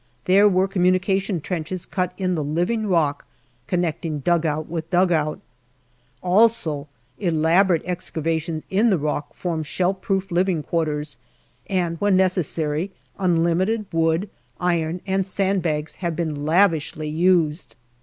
There were communi cation trenches cut in the living rock connecting dugout with dugout. Also, elaborate excavations in the rock formed shell proof living quarters, and, when necessary, unlimited wood, iron, and sand bags have been lavishly used.